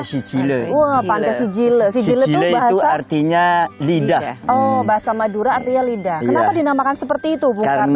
sicile wow pantai sicile sicile itu artinya lidah bahasa madura artinya lidah dinamakan seperti itu